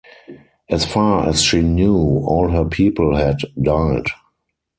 As far as she knew, all her people had died.